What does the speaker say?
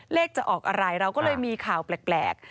จะออกอะไรเราก็เลยมีข่าวแปลก